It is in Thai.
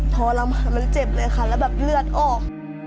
ทรมานมันเจ็บเลยค่ะแล้วแบบเลือดออก